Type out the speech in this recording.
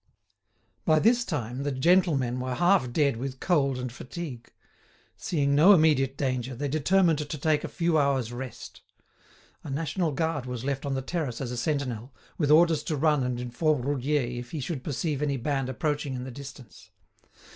By this time the gentlemen were half dead with cold and fatigue. Seeing no immediate danger, they determined to take a few hours' rest. A national guard was left on the terrace as a sentinel, with orders to run and inform Roudier if he should perceive any band approaching in the distance.